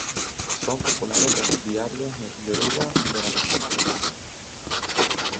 Son populares los diarios en yoruba de la vecina Nigeria.